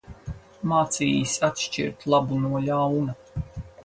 Mācījis atšķirt labu no ļauna.